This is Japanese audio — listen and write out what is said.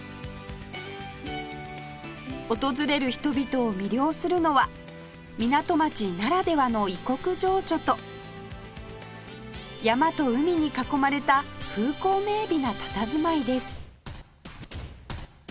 訪れる人々を魅了するのは港町ならではの異国情緒と山と海に囲まれた風光明媚なたたずまいです